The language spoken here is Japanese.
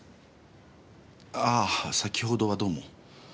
ああ先ほどはどうも。